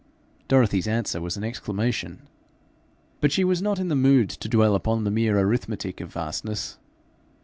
Dorothy's answer was an exclamation. But she was not in the mood to dwell upon the mere arithmetic of vastness.